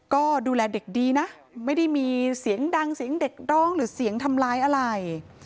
ก็ดูแลเด็กดีนะไม่ได้มีเสียงดังเสียงเด็กร้องหรือเสียงทำร้ายอะไร